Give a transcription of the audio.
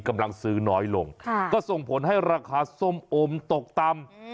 กำลังซื้อน้อยลงก็ส่งผลให้ราคาส้มอมตกต่ำ